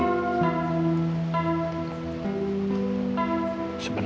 papi itu preman